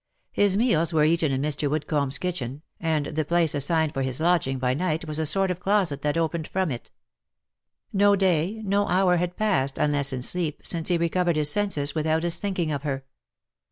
His meals were eaten in Mr. Woodcomb's kitchen, and the place assigned for his lodging by night, was a sort of closet that opened from it. No day, no hour had passed, unless in sleep, since he recovered his senses, without his thinking of her.